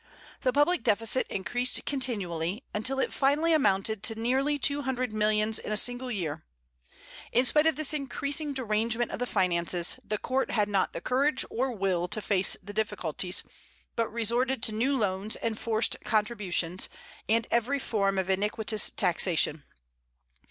The public deficit increased continually, until it finally amounted to nearly two hundred millions in a single year. In spite of this increasing derangement of the finances, the court had not the courage or will to face the difficulties, but resorted to new loans and forced contributions, and every form of iniquitous taxation.